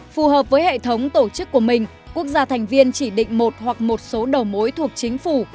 phù hợp với hệ thống tổ chức của mình quốc gia thành viên chỉ định một hoặc một số đầu mối thuộc chính phủ